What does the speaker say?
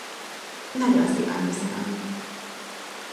Nagyon szépen köszönöm!